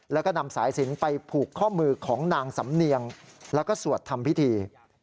แล้วก็นำสายสินไปผูกข้อมือของนางสำเนียงแล้วก็สวดทำพิธี